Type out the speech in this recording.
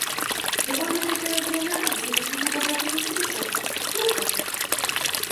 Бывал некоторое время один любознательный старичок, но помер.